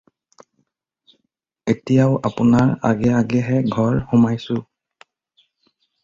এতিয়াও আপোনাৰ আগে আগেহে ঘৰ সোমাইছোঁ।